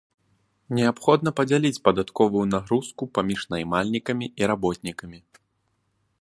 Неабходна падзяліць падатковую нагрузку паміж наймальнікамі і работнікамі.